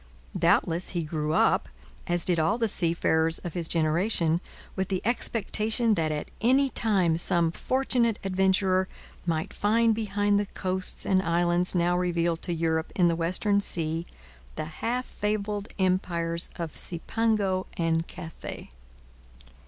Doubtless he grew up, as did all the seafarers of his generation, with the expectation that at any time some fortunate adventurer might find behind the coasts and islands now revealed to Europe in the western sea the half fabled empires of Cipango and Cathay.